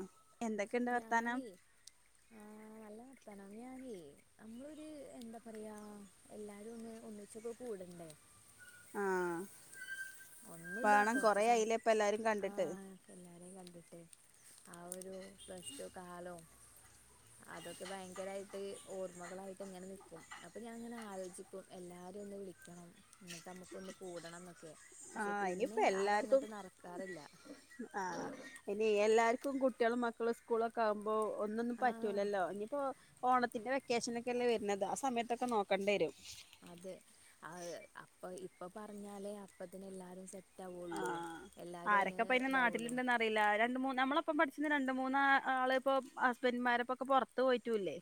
ആ എന്തൊക്കെയുണ്ട് വർത്താനം ഞാനേ നഞ നമ്മളൊരു എന്താ പറയാ എല്ല ആ ഒന്ന് ഒന്നിച്ചപ്പോ കൂടണ്ടേ ആഹ് ഒന്നുമില്ല വേണം കൊറച്ച് കൊറേ സ ആയില്ലേ ഇപ്പ എല്ലാരും കണ്ടിട്ട് ആഹ എല്ലാരേും കണ്ടിട്ട് ആ ഒരു പ്ലസ് ടു കാലവും അതൊക്കെ ഭയങ്കരമായിട്ട് ഓർമ്മകളായിട്ട് ങ്ങനെനിക്കും അപ്പൊ ഞാൻ ങ്ങനെ ആലോചിക്കും എല്ലാ ആര ഒന്ന് വിളിക്കണം എന്നിട്ട് നമുക്കൊന്ന് കൂടണംന്നൊക്കെ ആഹ് ഇനിപ്പ എല്ലാർക്കും നടക്കാറില്ല ആ ഇനി എല്ലാര് ക്കും കുട്ടികളും മക്കളും സ്കൂളൊക്കെ ആകുമ്പോൾ ഒന്നൊന്നും ആ പറ്റില്ലല്ലോ ഇനിയിപ്പോൾ ഓണത്തിന്റെ വെക്കേഷനോക്കെല്ലേ വരുന്നത് ആ സമയത്തൊക്കെ നോക്കേണ്ടി വരും പ്പൊ പറഞ്ഞാലേ അപ്പത്തിന് എല്ലാരും ആഹ ആരൊക്കെ ഇതാവുള്ളൂ പയിന്നാട്ടിലുണ്ടന്ന അറിയില്ല രണ്ട മൂന്ന് നമ്മള ഇപ്പം പഠിച്ചുന്ന രണ്ട് മൂന്നാ ആള ഇപ്പോൾ ഹസ്ബൻഡുമാരെപ്പോ ഒക്കെ പുറത്ത് പോയിട്ടുല്ലേ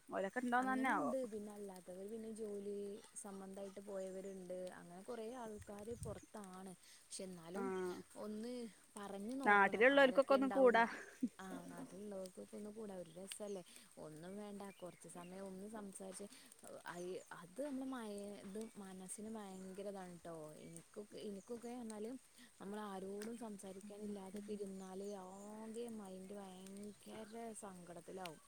അങ്ങനെണ്ട് പിന്നെ അല്ലാത്തവർ പിന്നെ ജോലി സംബന്ധമായിട്ട് പോയവരുണ്ട് അങ്ങനെ കൊറെ ആൾക്കാര് പുറത്താണ് പക്ഷെ എന്നാലും ആഹ് ഒന്ന് പറഞ്ഞു നോക്കണം നാട്ടിലുള്ളവർക്കൊക്കെ ആരൊക്കെ ഒന്ന് കൂടാ ഉണ്ടാവന്ന് ആഹ് നാട്ടിലുള്ളവർക്കക്ക് ഇ ഒന്നും കൂടാ ഒരു രസല്ലേ ഒന്നും വേണ്ട കൊറ ച്ച സമയം ഒന്ന് സംസാരിച്ച് അത് നമ്മുടെ മ മനസ്സിന് ഭയങ്കര ആൺട്ടോ ഇനിക്കൊക്കെ ഇനിക്കൊക്കെ അർഞ്ഞാല് നമ്മളാരോടും സംസാരിക്കാനില്ലാതിരുന്നാൽ ഇനി ആദ്യം മൈൻഡ് ഭയങ്കര സങ്കടത്തിലാവും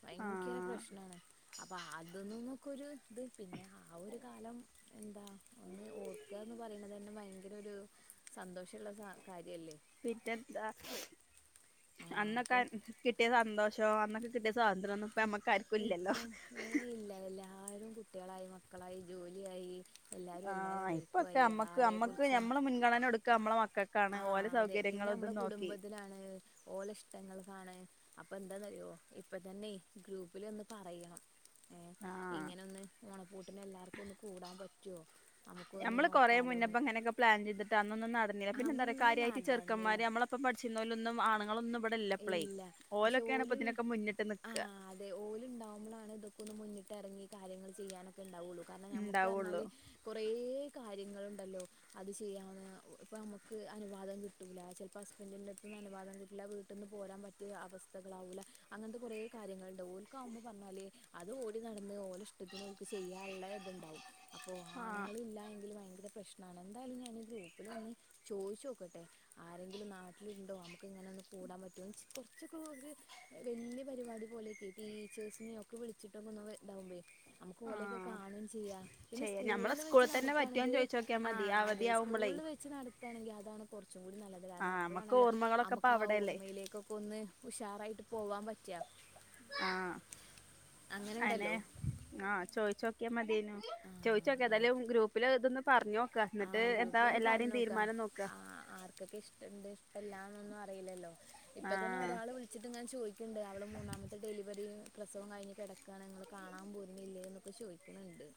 ഭയങ്കര ആഹ് പ്രശ്നാണ് അപ്പൊ അതൊന്നന്നൊക്കൊരു ഇത് പിന്നെ ആ ഒരു കാലം എന്താ ഒന്ന് ഓർക്കാന്ന് പറയുന്നതന്നെ ഭയങ്കര ഒരു സന്തോഷള്ള ക കാര്യല്ലേ പിന്നെന്താ അന്നൊക്കെ കിട്ടിയ സന്തോഷോ അന്നൊക്കെ കിട്ടിയ സ്വാതന്ത്രോന്നും ഇങ്ങും ഏ ഇല്ല എല്ലാരും കുട്ടികളായി മക്കളായി ജോലിയായി എല്ലാവരും ആ എല്ലാവരുടെ ഇപ്പൊക്കെ വഴിക്കുമായി അമ്മക്ക് അമ്മക്ക് ഞമ്മള് മുൻഗണന കൊടുക്കമ്മള മ ആ അതെ പിന്നമ്മള കുടുംബത്തിനാണ് ഓലെ ഇഷ്ടങ്ങൾക്കാണ് അപ്പെന്താന്നറിയോ ഇപ്പതന്നെ ഗ്രൂപ്പിലൊന്ന് പറയണം ഏ ആഹ് ഇങ്ങനൊന്ന് ഓണപ്പൂട്ടിനെല്ലാർക്കൊന്ന് കൂടാപറ്റോ ഞമ്മള് കൊറേ മുന്നപ്പെങ്ങെനൊക്കെ പ്ലാൻ ചെയ്തി ന്നൊന്നും നടന്നില്ല പിന്നെന്തറയാ അന്നൊന്നും കാര്യായിട്ട് ചെറുക്കമ്മാര് നടന്നില്ല ഞമ്മളപ്പം പഠിച്ചിരുന്നോലൊന്നും ആണുങ്ങളൊന്നും ഇവിടെ ഇപ്പളേ ഇല്ല പക്ഷെ ഓലൊക്കെയാണ് ഇപ്പൊ ഓല് ഇതിനൊക്കെ മുന്നിട്ട് ആ നിക്ക അതെ ഓലുണ്ടാവുമ്പൊളാണ് ഇതൊക്കെ ഒന്ന് മുന്നി ട്ടെറങ്ങി കാര്യങ്ങള് ചെയ്യാനൊക്കെണ്ടാവുള്ളൂ കാരണം നമുക്ക് ഇണ്ടാവുള്ളു അറഞ്ഞാല് കൊറേ കാര്യങ്ങളുണ്ടല്ലോ അത് ചെയ്യാവുന്ന ഇപ്പൊ അമ്മക്ക് അനുവാദം കിട്ടൂല്ല ചെൽപ്പോ ഹസ്ബൻഡിന്റെടുത്ത്ന്ന് അനുവാദം കിട്ടുല വ് ട്ടെന്ന് പോരാൻ പറ്റിയ അവസ്ഥകളാവൂല അങ്ങൻത്തെ കൊറേ കാര്യങ്ങളുണ്ട് ഓൽക്കാവുമ്പോ പറഞ്ഞാല് അത് ഓല്ന്ന് നടന്ന് ഓലീഷ്ടത്തിന് ഓൽക് ചെയ്യാനുള്ള ഇതുണ്ടാാവും അപ്പൊ ആഹ് ആണുങ്ങൾ ഇല്ല എങ്കിൽ ഭയങ്ക ഇത് പ്രശ്നാണ് എന്തായാലും ഞാനീ ഗ്രൂപ്പിലൊന്ന് ചോയിച്ചോക്കട്ടെ ആരെങ്കിലും നാട്ടിലുണ്ടോ നമുക്കിങ്ങനെ കൂടാൻ പറ്റോന്ന്ച് കുറച്ചൊക്കൊരു വല്യ പരിപാടി പോലെയൊക്കെ ടീച്ചേഴ്സിനെയൊക്കെ വിളിച്ചിട്ടൊ [inaudible] നമുക്ക് ഓലെയൊക്കെ ആഹ് കാണും ചിയ്യ പിന്നെ ചെയ്യാ ഞമ്മളെ സ്കൂളില് വെച്ച് സ്കൂളിൽ തന്നെ പറ്റോന്ന് നടത്താണെങ്കില് ചോദിച്ചോക്കിയാൽ ആ മതി അതെ അവധിയാവുമ്പളേ സ്കൂളിൽ വെച്ച് നടത്തുകാണെങ്കിൽ അതാണ് കുറച്ചും കൂടി നല്ലത് കാരണം ആഹ് നമ്മക്ക് അപ്പളാണല്ലോ ഓർമ്മകളൊക്കെ ഇപ്പ നമുക്ക് ആ അവിടെയല്ലേ ഓർമയിലേക്കൊക്കെ ഒന്ന് ഉഷാറായിട്ട് പോവാൻ പറ്റുക ആഹ് അങ്ങനെ ആ ചോദിച്ച് നോക്കിയാ മതി ആ ചോദിച്ച് നോക്കാം ഏതായാലും ഗ്രൂപ്പില് ഇതൊന്ന് പറഞ്ഞ് നോക്കാം ആഹ് ഗ്രൂപ്പിലൊന്ന് പറഞ്ഞു നോക്കാം നോക്ക ആ ആർക്കൊക്കെ ഇഷ്ടണ്ട് എല്ലാന്നൊന്നും അറിയില്ലല്ലോ ഇപ്പ തന്നെ ആഹ് ഒരാള് വിളിച്ചിട്ട് ഇങ്ങനെ ചോദിക്കുന്നുണ്ട് അവള് മൂന്നാമത്തെ ഡെലിവറി പ്രസവം കഴിഞ്ഞ് കിടക്കുവാണ് നിങ്ങള് കാണാൻ പോരുന്നില്ലേ എന്നൊക്കെ ചോദിക്കുന്നുണ്ട്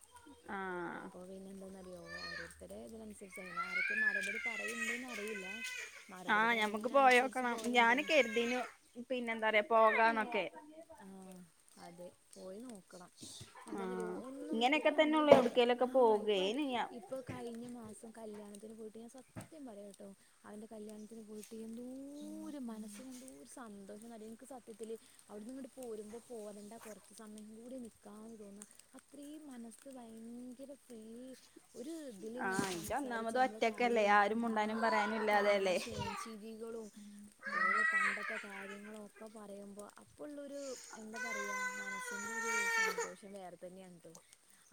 ആഹ് അപ്പൊ പിന്നെ എന്താന്ന് അറിയാവോ ഇത്ര ഇതിനനുസരിച്ച് അതിന് ആരൊക്കെ മറുപടി പറയുന്നുണ്ടന്ന് അറിയില്ല മറുപടി ആഹ് ഞമ്മുക്ക് പോയി പറയണതിനനുസരിച്ച് നോക്കണം പോകലുണ്ട് ഞാനും കരുതീന് പിന്നെ എന്താ പറയാ പോകാന്നൊക്കെ ആ അതെ പോയി നോക്കണം എന്താന്നറിയാവോ ആഹ് ഒന്നും ഇങ്ങനെയൊക്കെ ഇപ്പൊ നമ്മള് തന്നെള്ളൂ എവിടക്കേലൊക്കെ ആഹ് പോകേ ഇപ്പൊ ഇനി ഞാ ഇപ്പൊ കഴിഞ്ഞ മാസം കല്യാണത്തിന് പോയി ട്ട് ഞാൻ സത്യം പറയാട്ടോ അവന്റെ കല്യാണത്തിന് പോയിട്ട് എന്തോരം മനസ്സിന് എന്തോ ഒരു സന്തോ ഷമാന്നറിയാമോ എനിക്ക് സത്യത്തില് അവിടുന്ന് ഇങ്ങോട്ട് പോരുമ്പോൾ പോരണ്ട കുറച്ച് സമയം കൂടി നിൽക്കാന്ന് തോന്നുക അത്രയും മനസ്സ് ഭ യങ്കര ഫ്രീ ഒരു ഇതിലിങ്ങനെ ആഹ് ഇജ്ജ് സംസാരിച്ച് ഒന്നാമത് നമ്മള് ഒറ്റക്കല്ലേ കളിയും ആരും മുണ്ടാനും ആ പറയാനും ഇല്ലാതെയല്ലേ തമാശയും ചിരിക ളും ഓരോ പണ്ടത്തെ കാര്യങ്ങളും ഒക്കെ പറയുമ്പോ അപ്പം ഉള്ളൊരു എന്താ പറയാ മനസ്സിന്റെ ഒരു സന്തോഷം വേറെ തന്നെയാണ് കേട്ടോ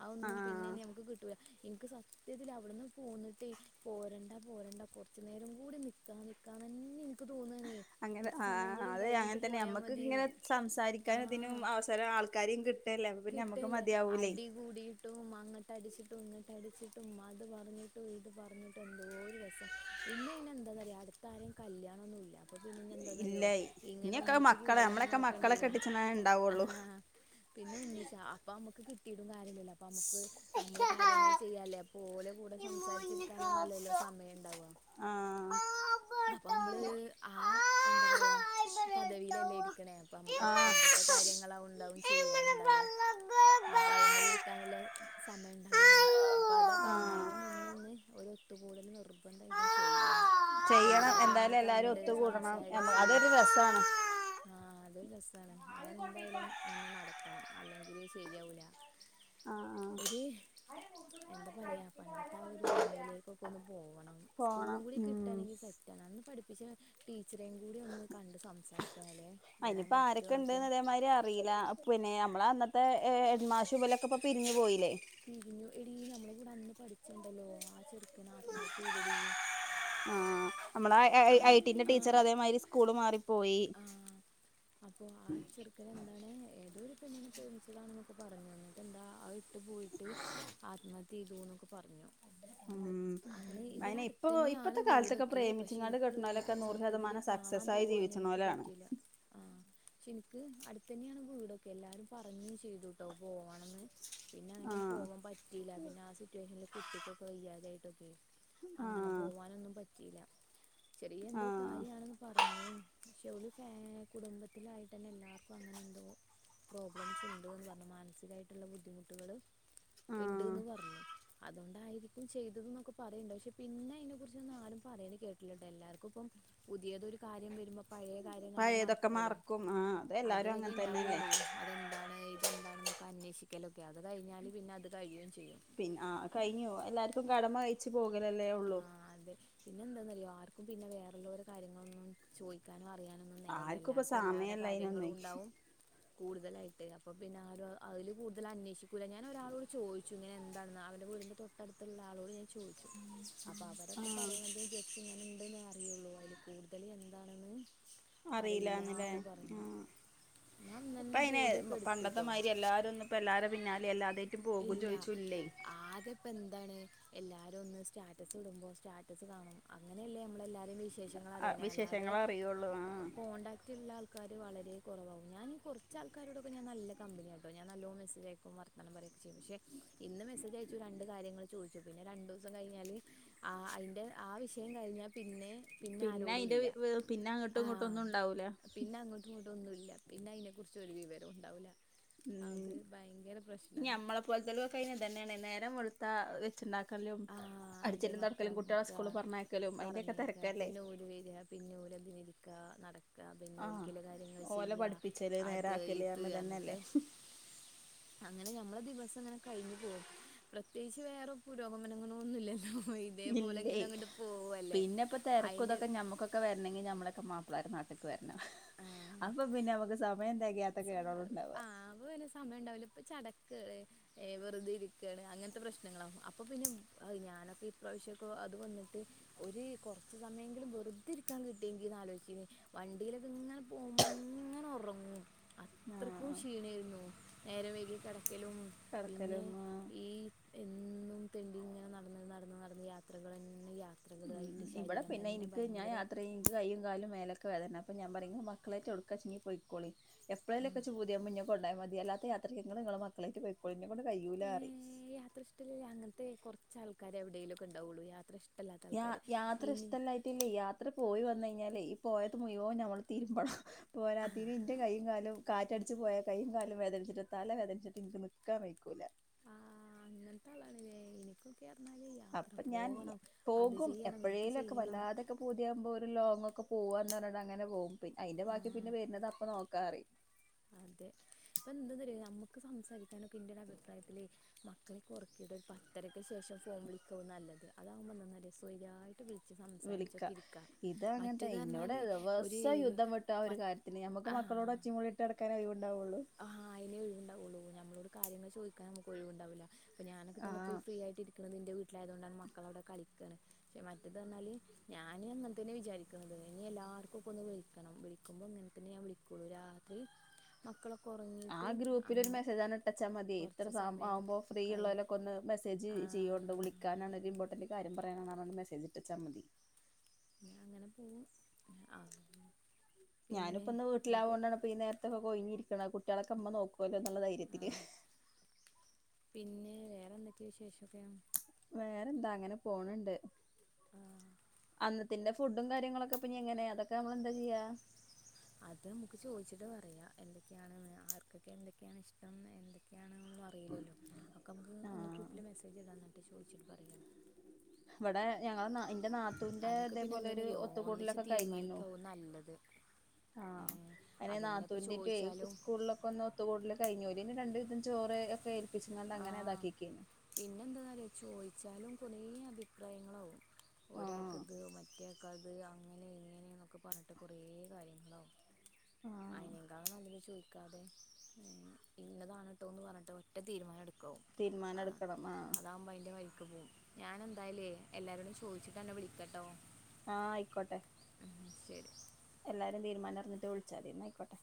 അതൊന്നും പിന്നെ ആഹ് ഇനി നമുക്ക് കിട്ടൂല്ല എനിക്ക് സത്യത്തിൽ അവിടുന്ന് പോന്നിട്ടേ പോരണ്ട പോരണ്ട കുറച്ചു നേരം കൂടി നിക്കാ നിക്കാ തന്നെ എനിക്ക് തോന്നാണേ അങ്ങനെ കുറച്ച് ആ സമയം കൂടി അതേ അങ്ങനെ കഴിഞ്ഞിട്ട് തന്നെയാ പോയാ നമ്മക്ക് ഇങ്ങനെ മതീന്ന് സംസാരിക്കാനും അതിനും അവസരം ആൾക്കാരെയും കി കിട്ടൂല്ലേ അടി കൂടിയിട്ടും അങ്ങ ടടിച്ചിട്ടും ഇങ്ങിട്ട് അടിച്ചിട്ടും അത് പറഞ്ഞിട്ടും ഇത് പറഞ്ഞിട്ടും എന്തോ ഒരു രസം ഇന്നഇന്ന [unintelligible] അന്തനറിയ അട്തരെ കല്യണോന്നുല്ല അപ്പൊ പിന്നെന്നെന്താന്നറിയോ ഇല്ലേ ഇങ്ങനെ ഇനിയൊക്കെ ഒന്നിച്ച് കൂടലെന്നെ നോക്കേണ്ടിയെരോ ണ്ടാവുള്ളൂ പിന്നെ ഒന്നിച്ച അപ്പൊമ്മക്ക് കിട്ടിട്ടും കാര്യല്ലല്ലോ അപ്പൊ മ്മക്ക് അമ്മളെ കാര്യങ്ങള് ചെയ്യാല്ലേ ഓലെ കൂടെ സംസാരിച്ചിരിക്കാനൊന്നൊല്ലല്ലോ സമയണ്ടാവാ ആഹ് അപ്പൊ മ്മള് ആ എന്താ പറയാ പദവിയിലല്ലേ ഇരി ക്ക്ണേ അപ്പൊമുക്ക് എന്തൊക്കെ കാര്യങ്ങളാവൂ ണ്ടാവും ചെയ്യാനുണ്ടാവ ആഹ് അപ്പ അയ്മലിരിക്കാനുള്ള സമയം ഉണ്ടാവൂലല്ലോ അപ്പൊ അതാ പറഞ്ഞേ അയ്ന് ആഹ് മുന്നൊന്ന് ഒരു ത്ത് കൂടൽ നിർ അപ്പണ്ട ഇപ്പും ചെയ്യണം ചെയ്യണം എല്ലാരെയ ഒന്ന് എന്തായാലും എല്ലാരും കണ്ട് ഒത്തുകൂടണം സംസാരിച്ച് അതൊരു രസാണ് ആഹ അതൊ രസമാണ് ആൻ എന്തായാലും ഒന്നും നടത്തണം അല്ലെങ്കില് ശരിയാവൂല ആ ഒര്... എന്ത പറയാ പണ്ടത്താ ഒരു ഓർമ്മയിലേക്കൊക്കൊന്ന് പോവണം പോണം സ്കൂളും കൂടി ഉം കിട്ടാണെങ്കി സെറ്റ [inaudible] [unintelligible] ടീ ച്ചരേയുംകൂടി ഒന്ന് കണ്ട് സംസാരിക്കണലേ വരാൻ അയിനിപ്പോ ആരൊക്കെ പറ്റോന്നൊക്കെ മ്മളെ അന്നത്തെ എ ഹെഡ്മാഷു ഇവലൊക്കെ പിരിഞ്ഞു പോയിലേ പിരിഞ്ഞു എടീ ഞമ്മള കൂടെ അന്ന് പഠിച്ചീണ്ടല്ലോ ആ ചെറുക്കന് ആത്മഹത്യ ചെയ്തടീ.... ആ നമ്മളെ എ ഐ ഐ ടി ന്റെ ആ ടീച്ചറ് അതേമാരി സ്കൂള് മാറി ആ അപ്പൊ ആ ചെറുക്കന് ന്താണ് ഏതോരു പെണ്ണിനെ പ്രേമിച്ചതാണ്ന്നൊക്കെ പറഞ്ഞു എന്നിട്ടെന്താ അതിട്ട് പോയിട്ട് ആത്മഹത്യ ചെയ്തുന്നൊക്കെ പറഞ്ഞു. ഉം ഉം അന്ന് ഇവിടെ മയ്ന് അടുത്ത് ഇപ്പൊ തന്നെയാണ് ഇപ്പത്തെ കാലത്തൊക്കെ വീടൊക്കെ പക്ഷെ പ്രേമിച്ച്ങ്ങാണ്ട് എനിക്ക് കെട്ട്ണോലൊക്കെ നൂറ് ശതമാനം സക്സസായി ജീവിച്ച്ണോ ഇക്ക് പറ്റീല അ ക്ഷെനിക്ക് അടുത്തെന്നെയാണ് വീടും എല്ലാരും പറഞ്ഞു ചെയ്തുട്ടോ പോകണംന്ന് പിന്നെ അങ്ങനൊന്നും ആഹ് പോവാൻ പറ്റീല പിന്നെ ആ സിറ്റുവേഷനിൽ കുട്ടിക്കൊക്കെ വയ്യാതായിട്ടൊക്കെ അങ്ങനെ ആഹ് പോവാനൊന്നും പറ്റീല ചെറിയെന്തോ ആഹ് കാര്യാണെന്ന് പറഞ്ഞു ക്ഷെ ഓല് ഫേ കുടുംബത്തിലായിട്ടെന്നെ എല്ലാർക്കങ്ങനെന്തോ.. പ്രോബ്ലംസ് ണ്ട്ന്ന്പറഞ്ഞ് മാനസികായിട്ടുള്ള ബുദ്ധിമുട്ടുകള് ആഹ് ഇണ്ട്ന്ന് പറഞ്ഞു അതോണ്ടായി ഇപ്പം ചെയ്തത് ന്നൊക്കെ പറയിണ്ട് പക്ഷെ പിന്നെ അയ്നെകുറിചൊന്നാരും പറയിണ കേട്ടില്ലട്ടൊ എല്ലാർക്കിപ്പം പുതിയ ഒരു കാര്യംവരുമ്പോ പഴേ കാര്യം ഞമ്മള് പഴയതൊക്കെ മറക്കോലോ മറക്കും ആഹ് അത് എല്ലാരും അങ്ങനെ തന്നെയല്ലേ വരെണ്ടാവൊള്ളു അതെന്താണ് ഇതെന്താണ് ന്നൊക്കെ അന്വേഷിക്കലൊക്കെ അത് കയിഞ്ഞാല് പിന്നെ അത് കഴിയുംചെയ്യും പിൻ ആ.. കയിഞ്ഞു എല്ലാർക്കും കടമ കയ്ച്ച് പോകലല്ലേ.. ഉള്ളൂ.. ഉം പിന്നെ വേറള്ളോരെ കാര്യങ്ങളൊന്നും ചോയ്ക്കാനും ആ ആർക്കുപ്പൊ സമയല്ലയ്നൊന്നും ഉണ്ടാവും കൂടുതലായിട്ട് അപ്പ പിന്നെ ആരും അയില് കൂടുതൽ അന്വേഷിക്കൂല ഞാൻ ഒരാളോട് ചോയ്ച്ചു ഇങ്ങനെന്താന്ന് നാവിന് ന്റെ തൊട്ടടുത്ത്ള്ളാളോട്ഞാൻ ചോദിച്ച്ക്ക്ണ് അപ്പൊ വടെക്കെ ആഹ് പറേണത് ജസ്റ്റ്‌ ഇങ്ങനെ ണ്ടൂന്ന് അറിയൂള്ളൂ അയിൽ കൂടുതൽ എന്താണുന്ന് അറിയിലാന്ന് ലേ. ആ... ഞാൻ അന്നന്നെ ഇപ്പയിന് ബോഡിയൊക്കെ എടുത്തുട്ടോ പണ്ടത്തെമാരി എല്ലാരൊന്ന്പ്പോ എല്ലാരെ പിന്നാ ഇല്ലാ.. ആകെപ്പെന്താണ് എല്ലാരൊന്ന് സ്റ്റാറ്റസിടുമ്പോ സ്റ്റാറ്റസ് കാണും അങ്ങനെല്ലേ നമ്മളെല്ലാ.. രി വിശേഷങ്ങളറിയിണെ അല്ലാതെ വിശേഷങ്ങൾ അറിയുള്ളൂ ആഹ് കോണ്ടാക്റ്റ്ള്ള ആൾക്കാ വളരെ കുറവാവും ഞാനീ കുറച്ചാൾകാരോടൊക്കെ ഞാൻ നല്ല കമ്പനീയാട്ടോ ഞാൻ നല്ലോം മെസ്സേജയക്കും വർത്താനം പറയും. സ് പക്ഷെ ഇന്ന് മെസ്സേജയച്ചു രണ്ട് കാര്യങ്ങൾ ചോദിച്ചും പിന്നെ രണ്ടൂസം കഴിഞ്ഞാൽ ആ.. അയ്ൻ്റെ ആ വിഷയം കഴിഞ്ഞാ പിന്നെ... പിന്നെ ആരോടും അയിന്റെ ഇല്ല വ് വ് പിന്നെ അങ്ങട്ടും ഇങ്ങട്ടൊന്നുണ്ടാവൂല മിണ്ടൊന്നൂല്ല പിന്നയിനെക്കുറിച്ചൊരു വിവരുണ്ടാവൂല അത് ഭയങ്കര പ്രശ്നാണ് [unintelligible] കുതലവ കഴെ ഇതന്നെയാണ് നേരം വെളുത്താ വെച്ച്ണ്ടാക്കണം ക്കലും ആഹ് അതെ അടിച്ചലും തൊടക്കലും മക്കളെ കുട്ട്യാളെ നോക്കാ സ്കൂള് പറഞ്ഞയക്കലും അയ്ന്റൊക്കെ പറഞ്ഞേക്ക തെരക്കല്ലേ ക്കാ... നട അ പിന്നെ ആഹ് ഓൽക്കില്ല കാര്യങ്ങള് ഓലെ ചെയ്യാ പഠിപ്പിച്ചല് അത് നേരാക്കല് പറഞ്ഞ് ഇത്റഞ്ഞിട്ട് ഇതന്നെയല്ലേ അങ്ങനെ ഞമ്മളെ ദിവസിങ്ങനെ കഴിഞ്ഞു പോകും പ്രത്യേകിച്ച് വേറെ പുരോഗമനങ്ങനൊന്നുമില്ലല്ലൊ ഇല്ലെയ് പിന്നപ്പൊ അയിന്റെ തെരക്കുതൊക്കെ ഞമ്മക്കൊക്കെ വരനെങ്കിൽ ഞമ്മളെ മാപ്പ്ളാര് നാട്ട്ക്ക് വരണം അപ്പൊ പിന്നമ്മക്ക് സമയം തെകയാത്ത കേടാണ് ഉണ്ടാവുക ആ്നെ സമയം ഉണ്ടാവില്ല ഇപ്പ ചട [unintelligible] വെറുതെ ഇരിക്കാണ് അങ്ങനത്തെ പ്രശ്നങ്ങളാകും അപ്പോൾ പിന്നെ ഞാനൊക്കെ ഇപ്രാവശ്യമൊക്കെ അത് വന്നിട്ട് ഒരു കുറച്ച സമയങ്കിലും വെറുതെ ഇരിക്കാൻ കിട്ടിയെങ്കന്ന് ആലോചിച്ചിക്കേ വണ്ടിയിലൊക്കെ ഇങ്ങനെ പോകുമ്പോ [unintelligible] അത്രയ്ക്ക ആഹ് ക്ഷീണമായിരുന്നു നേരെ വൈക ഒരിക്കലും പിന്നെ കെടക്കലും ആഹ് ഈ എന്നും തെണ്ടിങ്ങ നടന്ന നടന്ന നടന്ന യാത്രകൾന്ന് ഉം ഇവിടെ പിന്നെ എനിക്ക് ഞാൻ യാത്ര ചെയ്യ എനിക്ക് കയ്യും കാലും മേലെ വേദന അപ്പ ഞാൻ പറ മക്കളായിട്ട ഒടുക്കാ ചെങ്ങ പോയിോളി എപ്പോഴേുംക്കെ ചോതിയാുമ്പോ ഉണ്ടായി മതിയല്ലാത്ത യാത്രൾങ്ങങ്ങള് മക്കളേക്ക് പോയിക്കോളി ഇന്നെക്കൊണ്ട് കയ്യൂലാ ഏ പറയും യാത്ര ഇഷ്ടമേ അങ്ങനത്തെ കുറച്ച്ൾക്കാരെ എവിടെേലും ഒക്കെ ഉണ്ടാവുള്ളൂ യാത്ര ഇഷ്ട യാ യാത്ര ഇഷ്ടമല്ലായിട്ടില്ലേ യാത്ര പോയി വന്ന കഴിഞ്ഞാൽ അല്ലെ ഈ പോയത് മുയോ ഞമ്മൾ രുമ്പണം പോരാ അതിന് ഇന്റെ കൈും കാലും കാറ്റടിച്ചു പോയാൽ കൈയ്യും കാലും വേദനിച്ചിട്ടെത്താലേ വേദനിച്ചിട്ട് നിനക്ക് നിക്കാൻ വഴക്കൂല ആഹ് അങ്ങനത്തെ ആളാണല്ലേ എനിക്കൊക്കെ പറഞ്ഞാല് യാത്ര അപ്പൊ ഞാൻ പോവണം അത് പോകും ചെയ്യണം ഇത് എപ്പോഴേലുംക്കെ ചെയ്യണം വല്ലാതെൊക്കെ പൂതിയാവുമ്പോ ഒരു ലോങ്ക്കെ പോവാന്ന് പറഞ്ഞ അങ്ങനെ പോകും പി അതിന്റെ ബാക്കി ആഹ് പിന്നെ വരുന്നത് അപ്പ നോക്കാന്ന് പറയും അതെ ഇപ്പൊ എന്തന്ന നമ്മുക്ക് സംസാരിക്കാനക്ക ഇന്ത്യൻ അഭിപ്രായത്തില് മക്കളെ കുറക്കത് ഒരു പത്തരക്ക് ശേഷം ഫോം വിളിക്ക നല്ലത് അതാവകുമ്പോന്നവയായിട്ട് വിളിക്ക ഇത് അങ്ങനത്തെ മറ്റേത് ഇന്നോടെ പറഞ്ഞാല് ഒരു ദിവസം യുദ്ധം വിട്ടു ആ ഒരു പത്ത് കാര്യത്തിന് ഞ നമുക്ക് മക്കളോട് ആഹ് ഒച്ചിമളിട്ട് അടക്കാൻ അഴവുണ്ടാവുള്ളു കാര്യങ്ങ ചോദിക്കാ നമുക്ക് ഒിവു ഉണ്ടാവില്ലപ്പ നൊക്കെന്നെയി ആഹ് ഫ്രീ ആയിട്ട ഇരിക്കുന്നത് എന്റെ വീ ായതൊണ്ട മക്കളവിടെ കളിക്ക പക്ഷെ മറ്റത് പറാല് ഞൻ അങ്ങെ തന്നെ വിചാരിക്കുന്നത് ഇല്ല ആർക്കൊ ഒന്ന് വിളിക്കണം വിളിക്കുമ്പോ ഇങ്ങനെെ വിളിക്കുള്ളൂ രാത്രി മക്കളൊ ആഹ ആ ഗ്രൂപ്പില ഒരു മെസേജ ആണ് ഇട്ടച്ചാൽ മതി കുറച്ച് ഇത്രം സമയം ആുമ്പോൾ ഫ്രീ കഴിഞ്ഞ് ഉള്ളതിലൊക്കെ ഒന്ന് മെസ്സേജ് ആഹ് ചെയ്യുകൊണ്ട്ള കാന ഇമ്പോർട്ടന്റ് കാര്യം പറയാന മെസജ ഇട്ടച്ചാൽ മതി പിന്ന അങ്ങനെ പോകും ഞാനിപ്പൊ ഒന്ന് വീട്ടിലാവകോണ്ടാണ്ണപ്പ ഈ നേരത്തെൊക്കെ കൊയിഞ്ഞിരിക്കണ കുട്ടികളക്കെ അമ്മ നോക്കും പോലെന്നുള്ള ധൈര്യത്തില് ആഹ് പിന്നെ വേറെന്തൊക്കെയ വിശേഷമൊക്കെയ വേറെന്താ അങ്ങനെ പോണണ്ട് ആഹ് അന്നത്തെ അതിന്റെ ഫുഡും കാര്യങ്ങളൊക്കെ ഇെ എങ്ങനെ അതൊക്കെ നമ്മള എന്താ ചെയ്യാ അത് നമുക്ക് ചോദിച്ചിട്ട് പറയാ എന്തൊക്കെയാണ് ആർക്കൊക്കെ എന്തൊക്കെയാണ് ഇഷ്ടം എന്തൊക്കെയ അെയണ അറിയില്ലോ അക്കെ നമുക്ക് ഒന്ന് ആഹ് ഗ്രൂപ്പിൽ മെസ്സേജ് ഇടാം എന്നിട്ട് ചോദിച്ചിട്ട് പറയാാം ഇവിടെ ഞങ്ങ എന്റെ നാത്തുന്റെ അതൊക്കെ പിന്നെ ഇതേപോലെ ഒരു എന്താണെന്നറിയോ ഒന്നിച്ച് ഒത്തുകൂട്ടലൊക്കെ കഴിഞ്ഞിന്നു തീരുമാനിക്കാവും നല്ലത് ആഹ് അതിനെ അതന്നെ ഇപ്പോൾ നാത്തൂന്റെ ചോദിച്ചാലും സ്കൂളിലൊക്കെ ഒന്ന് ഒത്ത കൂടുല കഴിഞ്ഞ പിന് രണ്ടുവിധം ചോര് ഒക്കെ ഏൽപ്പിച്ച കൊണ്ട് ആ അങ്ങനെ ഇതാക്കിക്കുന്നു പിന്നെ എന്താെന്നറിയ ചോദിച്ചാലും കുറേ അഭിപ്രായങ്ങളാവും ഒരാൾക്ക് ആഹ് ഇത് മറ്റേക്കാൾ അത് അങ്ങനെ ഇങ്ങനെ എന്നൊക്കെ പറഞ്ഞിട്ട് കുറേ കാര്യങ്ങളാവും ആഹ് അയിന് എന്താങ്ങനെ അ ചോദിച്ച ഇന്നതാണ് ന്തോ എന്ന് പറഞ്ഞിട്ട് ഒറ്റ തീരുമാനം എടുക്ക തീരുമാനം എടുക്കണം ആഹ് അതാവുമ്പോ അതിന്റെ വഴിക്ക് പോവുംഞാൻ എന്തായല് എല്ലാരോടും ചോദിച്ചിട്ടന്നെ വിളിക്കട്ടോ ആ ആയിക്കോട്ടെ ശരി എല്ലാരും തീരുമാനംറിഞ്ഞിട്ട വിളിച്ചാ മതി എന്ന ആയിക്കോട്ടെ